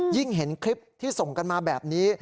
ยิ่งเห็นคลิปที่ส่งกันมาแบบนี้